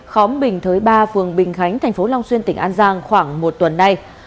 khóm bình thới ba phường bình khánh tp long xuyên tỉnh an giang khoảng một tuần nay